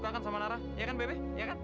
kamu jaga mama papa kamu baik baik